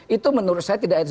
itu menurut saya tidak itu